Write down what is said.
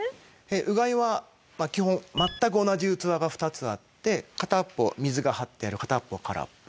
うがいは基本全く同じ器が２つあって片っぽ水が張ってある片っぽ空っぽ。